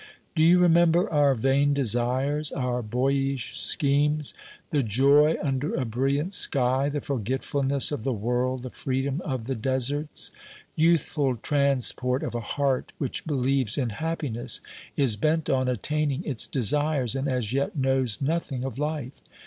Do you remember our vain desires, our boyish schemes ? The joy under a brilliant sky, the forgetfulness of the world, the freedom of the deserts ! Youthful transport of a heart which believes in happi ness, is bent on attaining its desires, and as yet knows nothing of life